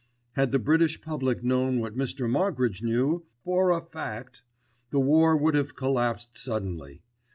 Had the British public known what Mr. Moggridge knew "for a fact," the war would have collapsed suddenly.